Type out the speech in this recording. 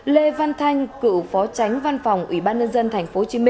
lê văn thanh cựu phó tránh văn phòng ủy ban nhân dân tp hcm